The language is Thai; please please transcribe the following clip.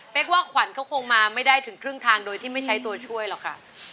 กว่าขวัญเขาคงมาไม่ได้ถึงครึ่งทางโดยที่ไม่ใช้ตัวช่วยหรอกค่ะ